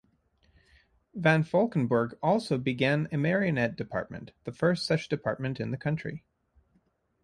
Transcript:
Van Volkenburg also began a marionette department, the first such department in the country.